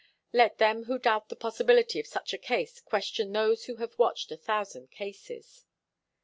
Let them who doubt the possibility of such a case question those who have watched a thousand cases.